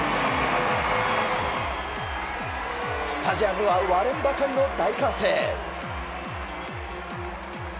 スタジアムは割れんばかりの大歓声。